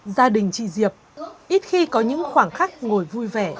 gia đình chị diệp ít khi có những khoảng khắc ngồi vui vẻ